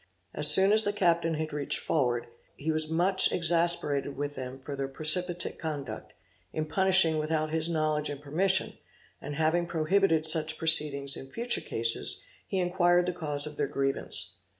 As soon as the captain had reached forward, he was much exasperated with them for their precipitate conduct, in punishing without his knowledge and permission, and having prohibited such proceedings in future cases, he inquired the cause of their grievance.